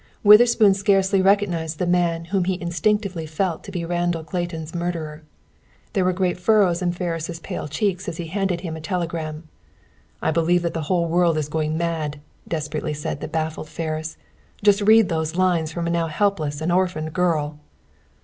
Witherspoon scarcely recognized the man whom he instinctively felt to be Randall Clayton's murderer. There were great furrows in Ferris' pale cheeks as he handed him a telegram. "I believe that the whole world is going mad," desperately said the baffled Ferris. "Just read those lines from a now helpless and orphaned girl."